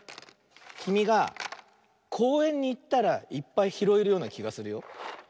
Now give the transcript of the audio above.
きみがこうえんにいったらいっぱいひろえるようなきがするよ。